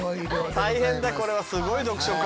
大変だこれはすごい読書家。